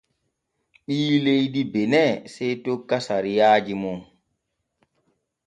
Ɓii leydi Bene sey tokka sariya mum.